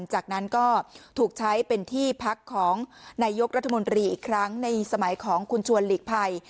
จากนั้นก็ถูกใช้เป็นที่พักของนายกรัฐมนตรีอีกครั้งในสมัยของคุณชวนหลีกภัย